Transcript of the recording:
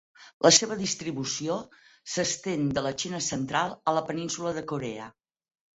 La seva distribució s'estén de la Xina Central a la península de Corea.